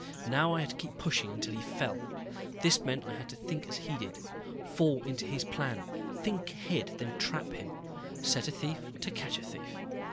Now I had to keep pushing until he fell. This meant I had to think as he did, fall into his plan, think ahead then trap him. Set a thief to catch a thief.